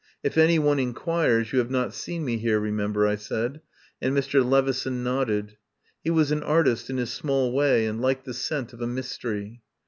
"If any one inquires, you have not seen me here, remember," I said, and Mr. Levison nodded. He was an artist in his small way and liked the scent of a mystery.